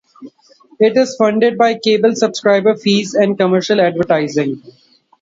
It is funded by cable subscriber fees and commercial advertising.